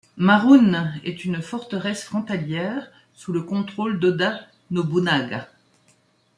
Marune est une forteresse frontalière sous le contrôle d'Oda Nobunaga.